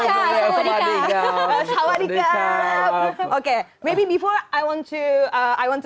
oke mungkin sebelumnya saya ingin mengucapkan beberapa hal